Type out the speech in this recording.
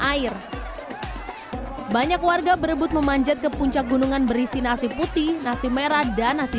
air banyak warga berebut memanjat ke puncak gunungan berisi nasi putih nasi merah dan nasi